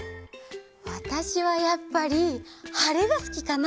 わたしはやっぱりはれがすきかな！